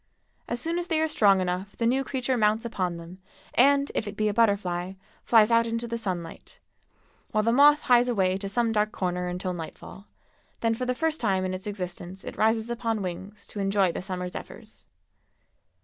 As soon as they are strong enough the new creature mounts upon them and, if it be a butterfly, flies out into the sunlight; while the moth hies away to some dark corner until nightfall, then for the first time in its existence it rises upon wings to enjoy the summer zephyrs.